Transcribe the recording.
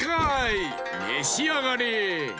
めしあがれ！